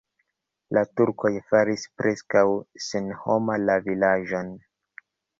La turkoj faris preskaŭ senhoma la vilaĝon.